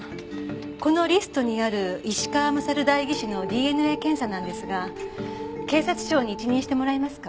このリストにある石川勝代議士のＤＮＡ検査なんですが警察庁に一任してもらえますか？